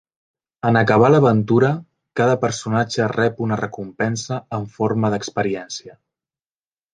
En acabar l'aventura cada personatge rep una recompensa en forma d'experiència.